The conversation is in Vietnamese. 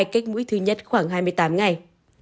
cách mũi thứ nhất khoảng hai mươi tám ngày